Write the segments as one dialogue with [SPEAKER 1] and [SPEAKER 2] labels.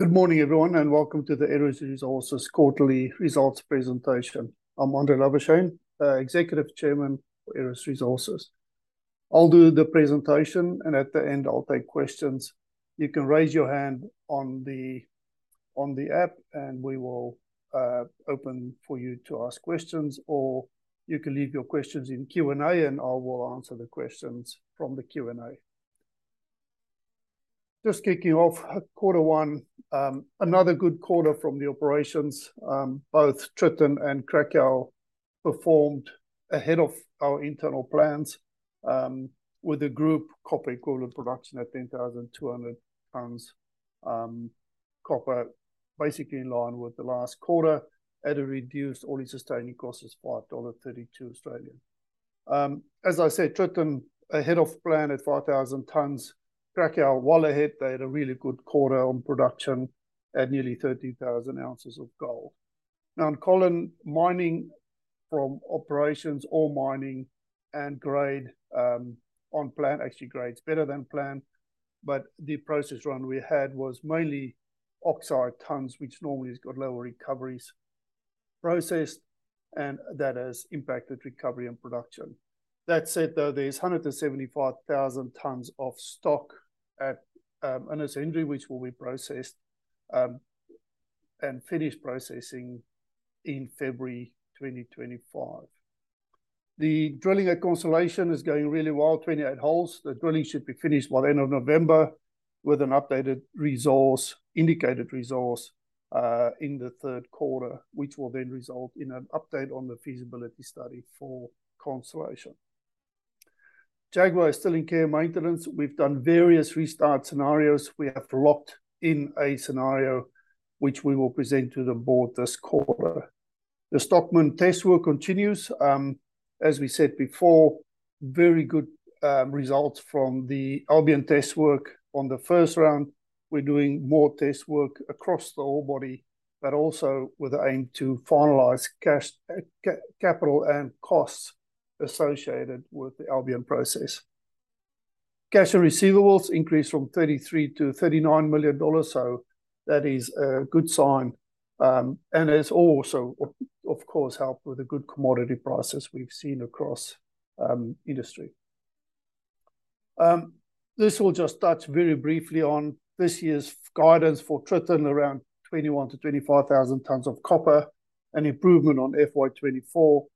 [SPEAKER 1] Good morning, everyone, and welcome to the Aeris Resources quarterly results presentation. I'm André Labuschagne, Executive Chairman for Aeris Resources. I'll do the presentation, and at the end, I'll take questions. You can raise your hand on the app, and we will open for you to ask questions, or you can leave your questions in Q&A, and I will answer the questions from the Q&A. Just kicking off quarter one, another good quarter from the operations. Both Tritton and Cracow performed ahead of our internal plans with a group copper equivalent production at 10,200 tonnes of copper, basically in line with the last quarter, at a reduced all-in sustaining cost of dollar 5.32. As I said, Tritton ahead of plan at 5,000 tonnes. Cracow, well ahead, they had a really good quarter on production at nearly 13,000 oz of gold. Now, Mt Colin and mining from operations, all mining and grade on plan, actually grade's better than plan, but the process run we had was mainly oxide tons, which normally has got lower recoveries processed, and that has impacted recovery and production. That said, though, there's 175,000 tons of stock at Ernest Henry, which will be processed and finished processing in February 2025. The drilling at Constellation is going really well, 28 holes. The drilling should be finished by the end of November with an updated resource, indicated resource in the third quarter, which will then result in an update on the feasibility study for Constellation. Jaguar is still in care and maintenance. We've done various restart scenarios. We have locked in a scenario which we will present to the board this quarter. The Stockman test work continues. As we said before, very good results from the Albion test work on the first round. We're doing more test work across the whole body, but also with the aim to finalize capital and costs associated with the Albion process. Cash and receivables increased from 33 million to 39 million dollars, so that is a good sign, and it's also, of course, helped with the good commodity prices we've seen across industry. This will just touch very briefly on this year's guidance for Tritton, around 21,000 tonnes-25,000 tonnes of copper, an improvement on FY 2024.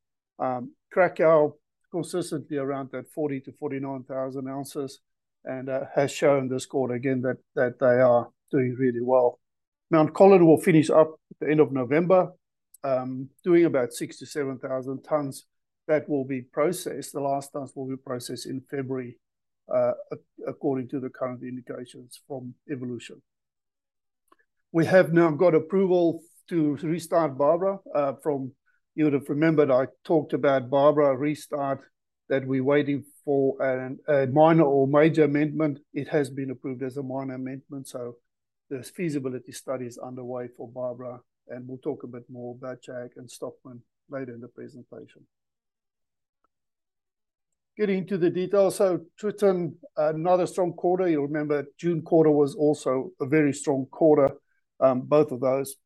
[SPEAKER 1] Cracow consistently around that 40,000 oz-49,000 oz and has shown this quarter again that they are doing really well. Mt Colin will finish up at the end of November, doing about 67,000 tonnes that will be processed. The last tonnes will be processed in February, according to the current indications from Evolution. We have now got approval to restart Barbara. You would have remembered I talked about Barbara restart, that we're waiting for a minor or major amendment. It has been approved as a minor amendment, so the feasibility study is underway for Barbara, and we'll talk a bit more about Jag and Stockman later in the presentation. Getting into the details, so Tritton, another strong quarter. You'll remember June quarter was also a very strong quarter, both of those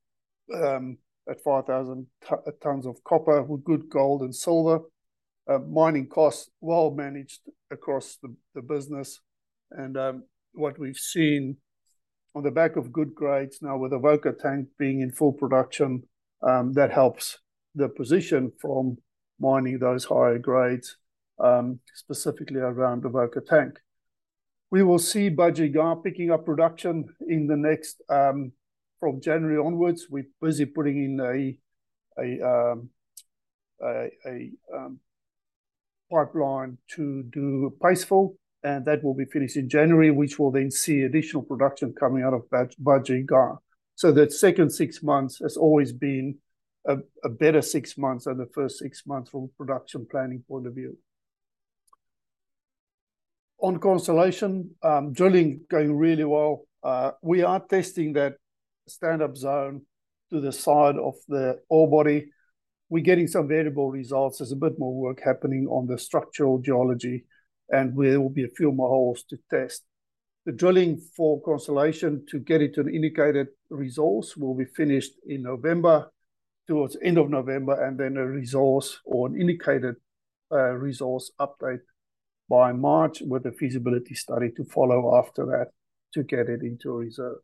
[SPEAKER 1] at 5,000 tonnes of copper with good gold and silver. Mining costs well-managed across the business, and what we've seen on the back of good grades, now with Avoca Tank being in full production, that helps the position from mining those higher grades, specifically around Avoca Tank. We will see Budgerygar picking up production in the next from January onwards. We're busy putting in a pipeline to do paste fill, and that will be finished in January, which will then see additional production coming out of Budgerygar. So the second six months has always been a better six months than the first six months from a production planning point of view. On Constellation, drilling going really well. We are testing that stand-up zone to the side of the ore body. We're getting some variable results. There's a bit more work happening on the structural geology, and there will be a few more holes to test. The drilling for Constellation to get it to an indicated resource will be finished in November, towards the end of November, and then a resource or an indicated resource update by March with a feasibility study to follow after that to get it into a reserve.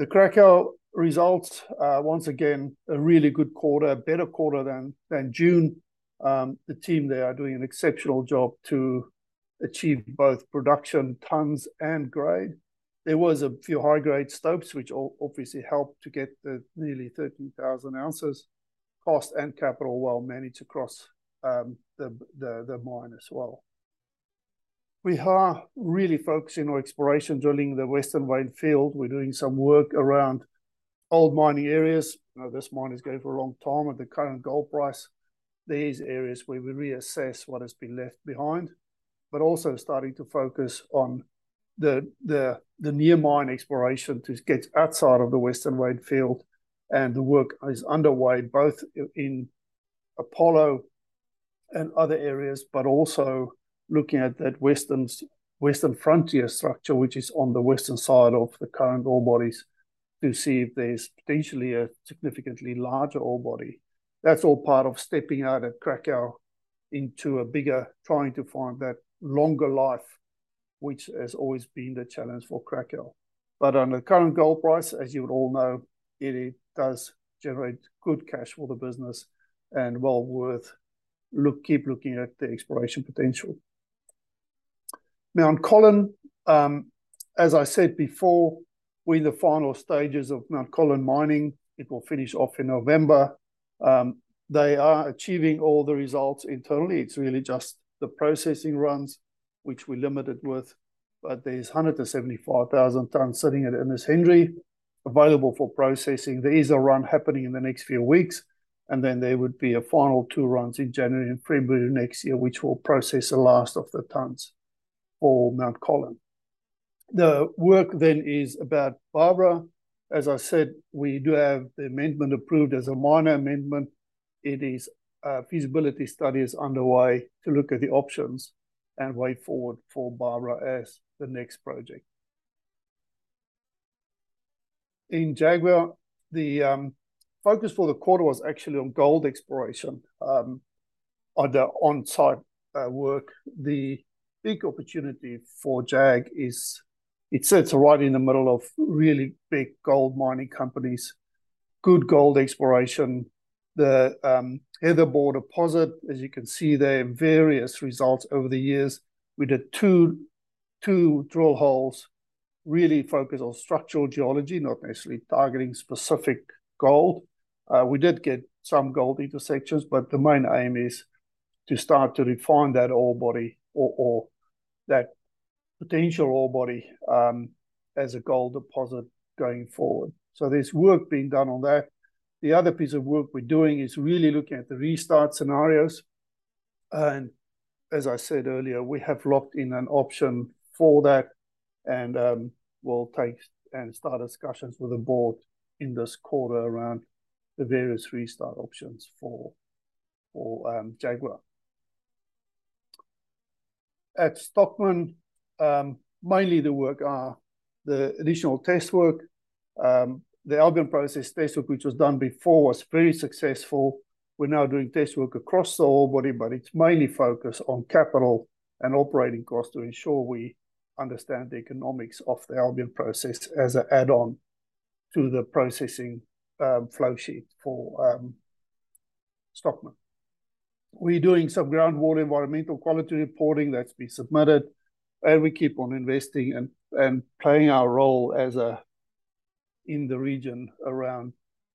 [SPEAKER 1] The Cracow results, once again, a really good quarter, a better quarter than June. The team, they are doing an exceptional job to achieve both production tons and grade. There were a few high-grade stopes, which obviously helped to get the nearly 13,000 oz. Cost and capital well managed across the mine as well. We are really focusing on exploration drilling in the Western Vein Field. We're doing some work around old mining areas. This mine has gone for a long time at the current gold price. These areas where we reassess what has been left behind, but also starting to focus on the near mine exploration to get outside of the Western Vein Field. The work is underway both in Apollo and other areas, but also looking at that Western Vein Field structure, which is on the western side of the current ore bodies, to see if there's potentially a significantly larger ore body. That's all part of stepping out at Cracow into a bigger, trying to find that longer life, which has always been the challenge for Cracow. But under the current gold price, as you would all know, it does generate good cash for the business and well worth keep looking at the exploration potential. Mt Colin, as I said before, we're in the final stages of Mt Colin mining. It will finish off in November. They are achieving all the results internally. It's really just the processing runs, which we limited with, but there's 175,000 tonnes sitting at Ernest Henry available for processing. There is a run happening in the next few weeks, and then there would be a final two runs in January and February next year, which will process the last of the tonnes for Mt Colin. The work then is about Barbara. As I said, we do have the amendment approved as a minor amendment. It is feasibility studies underway to look at the options and way forward for Barbara as the next project. In Jaguar, the focus for the quarter was actually on gold exploration on the on-site work. The big opportunity for Jag is it sits right in the middle of really big gold mining companies, good gold exploration, the Heather Bore deposit. As you can see, there are various results over the years. We did two drill holes, really focused on structural geology, not necessarily targeting specific gold. We did get some gold intersections, but the main aim is to start to refine that ore body or that potential ore body as a gold deposit going forward, so there's work being done on that. The other piece of work we're doing is really looking at the restart scenarios, and as I said earlier, we have locked in an option for that and will take and start discussions with the board in this quarter around the various restart options for Jaguar. At Stockman, mainly the work are the additional test work. The Albion Process test work, which was done before, was very successful. We're now doing test work across the ore body, but it's mainly focused on capital and operating costs to ensure we understand the economics of the Albion Process as an add-on to the processing flowsheet for Stockman. We're doing some groundwater environmental quality reporting that's been submitted, and we keep on investing and playing our role in the region around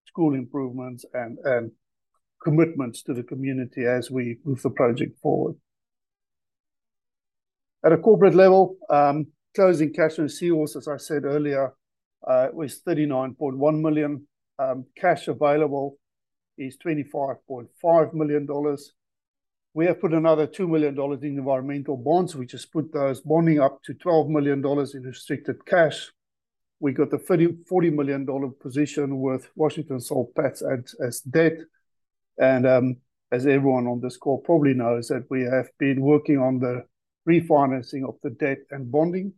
[SPEAKER 1] school improvements and commitments to the community as we move the project forward. At a corporate level, closing cash and cash equivalents, as I said earlier, was 39.1 million. Cash available is 25.5 million dollars. We have put another 2 million dollars in environmental bonds, which has put those bonds up to 12 million dollars in restricted cash. We got the 40 million dollar position with Washington H. Soul Pattinson as debt. Everyone on this call probably knows that we have been working on the refinancing of the debt and bonds.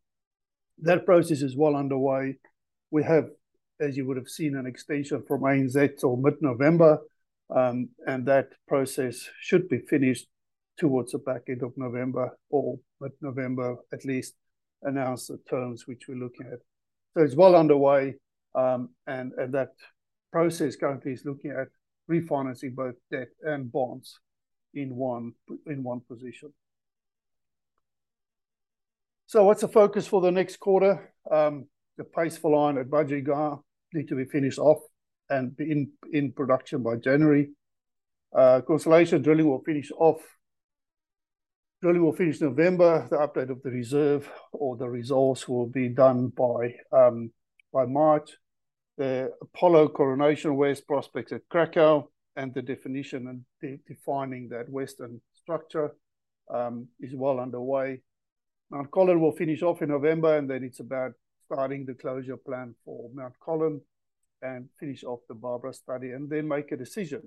[SPEAKER 1] That process is well underway. We have, as you would have seen, an extension from ANZ till mid-November, and that process should be finished towards the back end of November or mid-November, at least, announce the terms which we're looking at. So it's well underway, and that process currently is looking at refinancing both debt and bonds in one position. So what's the focus for the next quarter? The paste fill line at Budgerygar need to be finished off and in production by January. Constellation drilling will finish off. Drilling will finish November. The update of the reserve or the resource will be done by March. The Apollo Coronation West prospects at Cracow and the definition and defining that Western structure is well underway. Mt Colin will finish off in November, and then it's about starting the closure plan for Mt Colin and finish off the Barbara study and then make a decision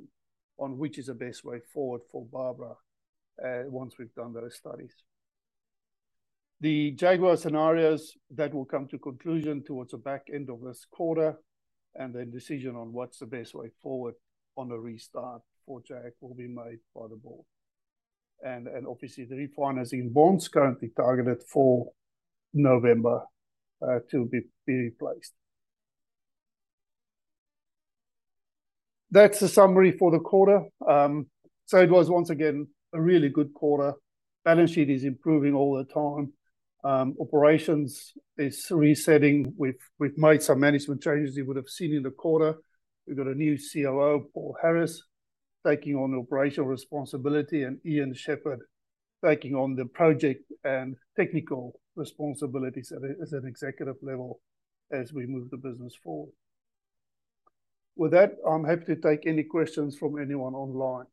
[SPEAKER 1] on which is the best way forward for Barbara once we've done those studies. The Jaguar scenarios that will come to conclusion towards the back end of this quarter and then decision on what's the best way forward on a restart for Jag will be made by the board. And obviously, the refinancing bonds currently targeted for November to be replaced. That's the summary for the quarter. So it was once again a really good quarter. Balance sheet is improving all the time. Operations is resetting. We've made some management changes you would have seen in the quarter. We've got a new COO, Paul Harris, taking on operational responsibility and Ian Sheppard taking on the project and technical responsibilities at an executive level as we move the business forward. With that, I'm happy to take any questions from anyone online.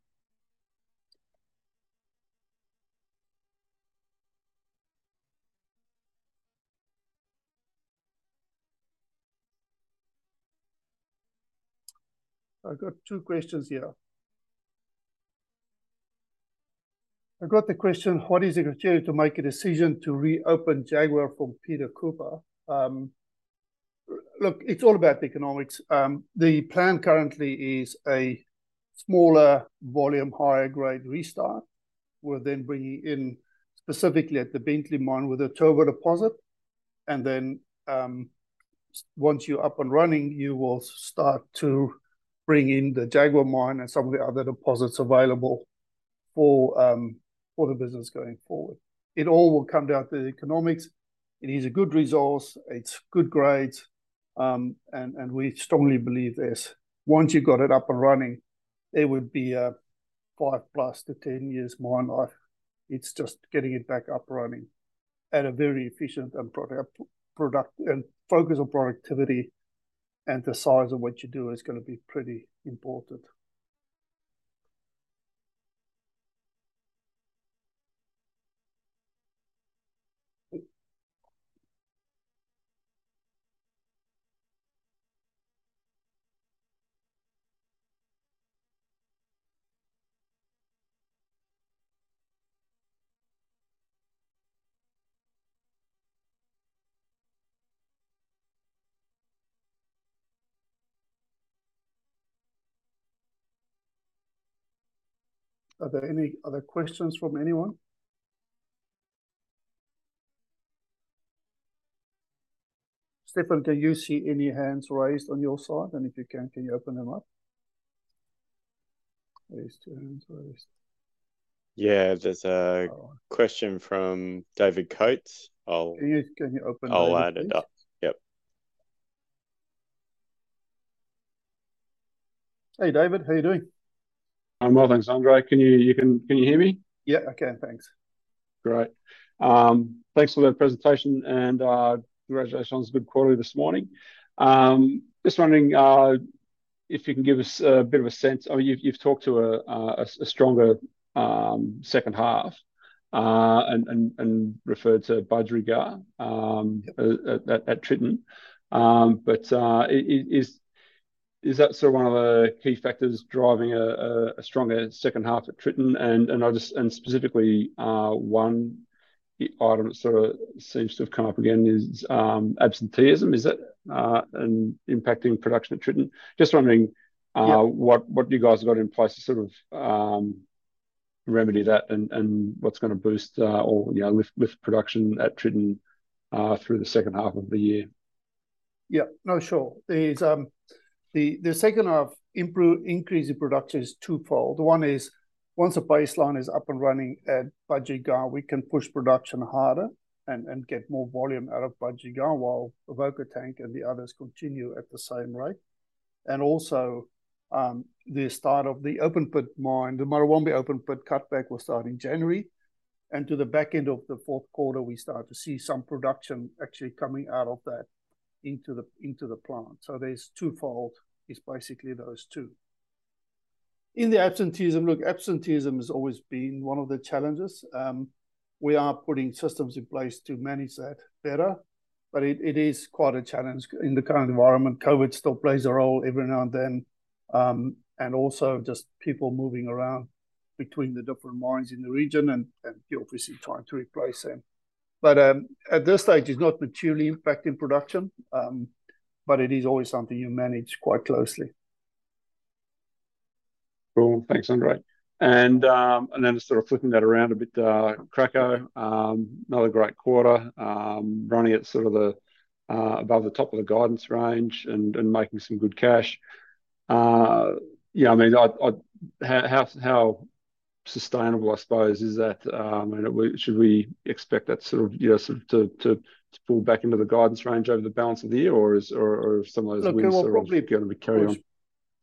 [SPEAKER 1] I've got two questions here. I've got the question: "What is it going to take to make a decision to reopen Jaguar from Peter Cooper?" Look, it's all about the economics. The plan currently is a smaller volume, higher grade restart. We're then bringing in specifically at the Bentley mine with a Turbo deposit. And then once you're up and running, you will start to bring in the Jaguar mine and some of the other deposits available for the business going forward. It all will come down to the economics. It is a good resource. It's good grades, and we strongly believe this. Once you've got it up and running, it would be a 5+ years to 10 years mine life. It's just getting it back up and running at a very efficient and focus on productivity. And the size of what you do is going to be pretty important. Are there any other questions from anyone? Stefan, do you see any hands raised on your side? And if you can, can you open them up?
[SPEAKER 2] Yeah, there's a question from [David Coates].
[SPEAKER 1] Can you open it up?
[SPEAKER 2] I'll add it up. Yep.
[SPEAKER 1] Hey, David, how are you doing? I'm well, thanks, André. Can you hear me? Yeah, I can, thanks. Great. Thanks for the presentation and congratulations on a good quarter this morning. Just wondering if you can give us a bit of a sense. You've talked to a stronger second half and referred to Budgerygar at Tritton. But is that sort of one of the key factors driving a stronger second half at Tritton? And specifically, one item that sort of seems to have come up again is absenteeism. Is that impacting production at Tritton? Just wondering what you guys have got in place to sort of remedy that and what's going to boost or lift production at Tritton through the second half of the year. Yeah, no, sure. The second half increase in production is twofold. One is once a baseline is up and running at Budgerygar, we can push production harder and get more volume out of Budgerygar while Avoca Tank and the others continue at the same rate. And also the start of the open pit mine, the Murrawombie open-pit cutback will start in January. And to the back end of the fourth quarter, we start to see some production actually coming out of that into the plant. So there's twofold is basically those two. In the absenteeism, look, absenteeism has always been one of the challenges. We are putting systems in place to manage that better, but it is quite a challenge in the current environment. COVID still plays a role every now and then. And also just people moving around between the different mines in the region and obviously trying to replace them. But at this stage, it's not materially impacting production, but it is always something you manage quite closely. Cool, thanks, André. And then sort of flipping that around a bit, Cracow, another great quarter, running at sort of the above the top of the guidance range and making some good cash. Yeah, I mean, how sustainable, I suppose, is that? Should we expect that sort of to fall back into the guidance range over the balance of the year or some of those winds are going to be carried on?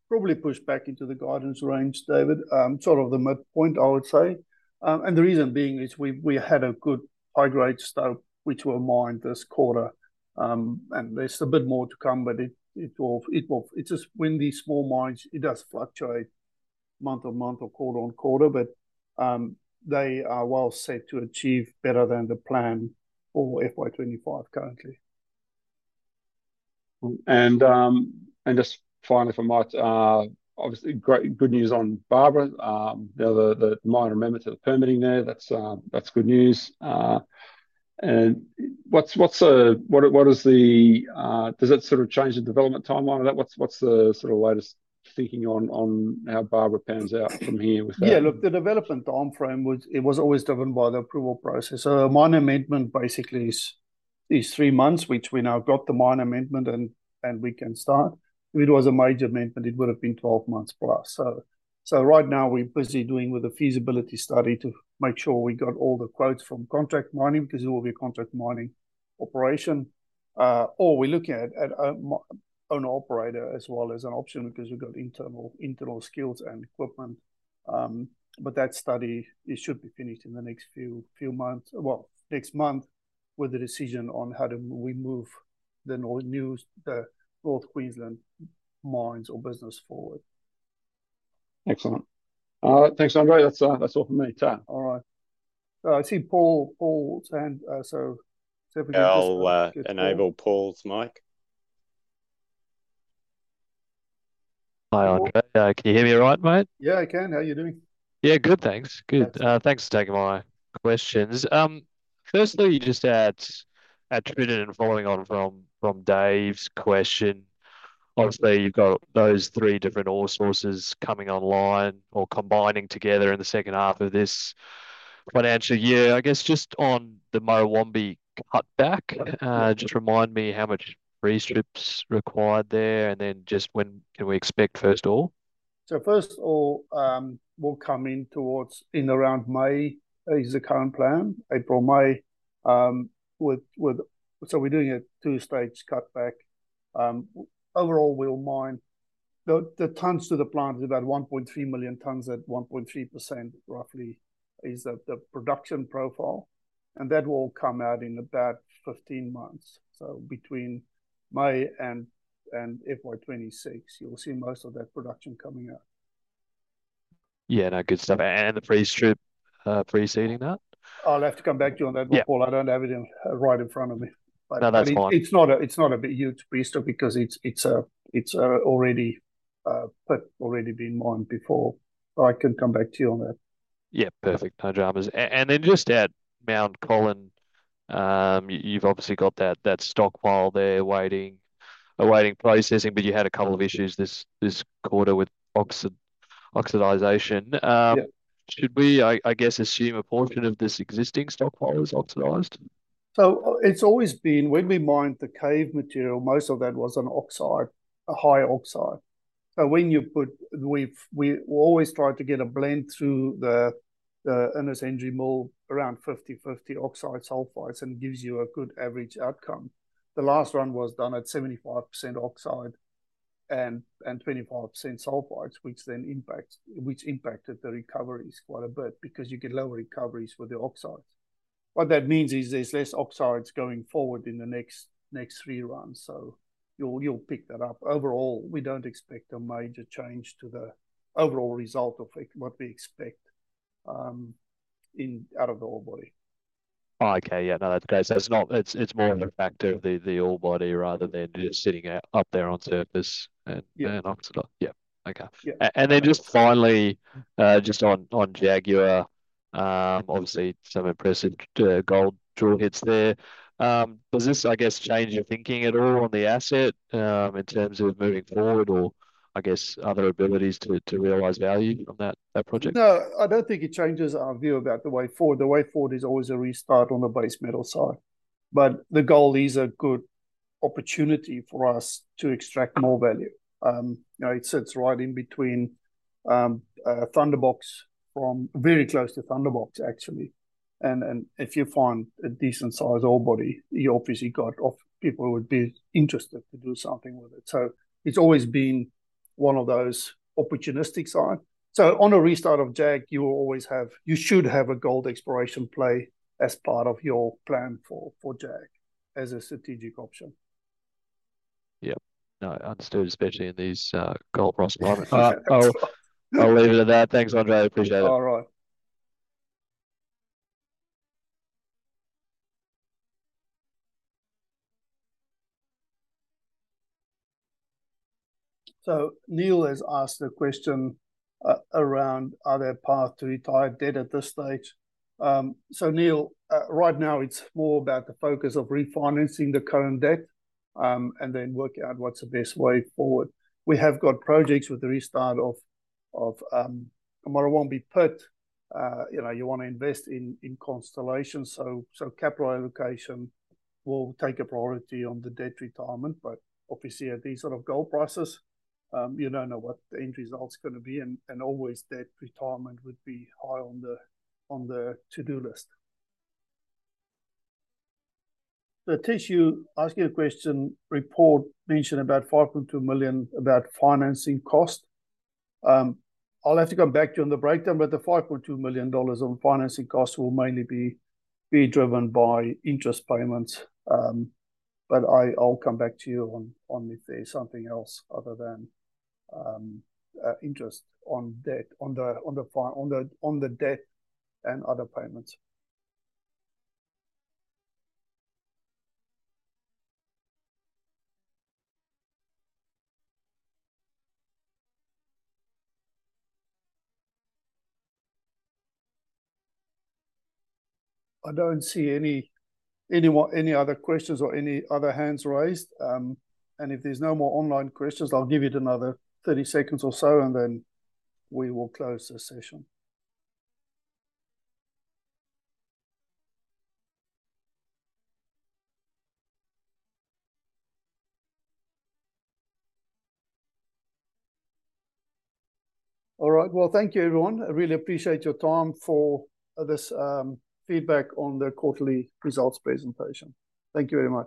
[SPEAKER 1] Probably push back into the guidance range, David, sort of the midpoint, I would say. And the reason being is we had a good high grade start which will mine this quarter. And there's a bit more to come, but it's just when these small mines, it does fluctuate month on month or quarter on quarter, but they are well set to achieve better than the plan for FY 2025 currently. And just finally, if I might, obviously great good news on Barbara. The minor amendment to the permitting there, that's good news. And what does it sort of change the development timeline of that? What's the sort of latest thinking on how Barbara pans out from here with that? Yeah, look, the development timeframe. It was always driven by the approval process. So a minor amendment basically is three months, which we now got the minor amendment and we can start. If it was a major amendment, it would have been 12 months+. So right now we're busy doing with the feasibility study to make sure we got all the quotes from contract mining because it will be a contract mining operation. Or we're looking at owner-operator as well as an option because we've got internal skills and equipment. But that study, it should be finished in the next few months, well, next month with the decision on how do we move the North Queensland mines or business forward. Excellent. Thanks, André. That's all from me. All right. I see Paul's hand. So Stefan, can you just enable Paul's mic? Hi, André. Can you hear me all right, mate? Yeah, I can. How are you doing? Yeah, good, thanks. Good. Thanks for taking my questions. Firstly, just to add, attributed and following on from Dave's question, obviously you've got those three different ore sources coming online or combining together in the second half of this financial year. I guess just on the Murrawombie cutback, just remind me how much restrips required there and then just when can we expect first ore? So first ore will come in towards around May is the current plan, April, May. So we're doing a two-stage cutback. Overall, we'll mine the tons to the plant is about 1.3 million tons at 1.3% roughly is the production profile. And that will come out in about 15 months. So between May and FY 2026, you'll see most of that production coming out. Yeah, no, good stuff. And the pre-strip, pre-seeding that? I'll have to come back to you on that, Paul. I don't have it right in front of me. No, that's fine. It's not a huge pre-strip because it's already been mined before. I can come back to you on that. Yeah, perfect. No dramas. And then just at Mt Colin, you've obviously got that stockpile there, waiting, awaiting processing, but you had a couple of issues this quarter with oxidation. Should we, I guess, assume a portion of this existing stockpile is oxidized? So it's always been when we mined the cave material, most of that was on oxide, a high oxide. So when you put, we always try to get a blend through the Ernest Henry mill, around 50-50 oxide-sulfides, and it gives you a good average outcome. The last run was done at 75% oxide and 25% sulfides, which then impacted the recoveries quite a bit because you get lower recoveries with the oxides. What that means is there's less oxides going forward in the next three runs. So you'll pick that up. Overall, we don't expect a major change to the overall result of what we expect out of the ore body. Okay, yeah, no, that's great. So it's more of an effect of the ore body rather than just sitting up there on surface and oxidized. Yeah, okay. And then just finally, just on Jaguar, obviously some impressive gold drill hits there. Does this, I guess, change your thinking at all on the asset in terms of moving forward or, I guess, other abilities to realize value on that project? No, I don't think it changes our view about the way forward. The way forward is always a restart on the base metal side. But the gold is a good opportunity for us to extract more value. It sits right in between Thunderbox, very close to Thunderbox, actually. And if you find a decent-sized ore body, you obviously got people who would be interested to do something with it. So it's always been one of those opportunistic sides. So on a restart of Jag, you should have a gold exploration play as part of your plan for Jag as a strategic option. Yeah, no, understood, especially in these gold prospects. I'll leave it at that. Thanks, André. Appreciate it. All right. So Neil has asked a question around are there paths to retire debt at this stage? So Neil, right now it's more about the focus of refinancing the current debt and then working out what's the best way forward. We have got projects with the restart of Murrawombie Pit. You want to invest in Constellation. So capital allocation will take a priority on the debt retirement. But obviously, at these sort of gold prices, you don't know what the end result is going to be. And always debt retirement would be high on the to-do list. The issue asking a question report mentioned about 5.2 million about financing cost. I'll have to come back to you on the breakdown, but the 5.2 million dollars on financing costs will mainly be driven by interest payments. But I'll come back to you on if there's something else other than interest on debt, on the debt and other payments. I don't see any other questions or any other hands raised. And if there's no more online questions, I'll give you another 30 seconds or so and then we will close the session. All right. Well, thank you, everyone. I really appreciate your time for this feedback on the quarterly results presentation. Thank you very much.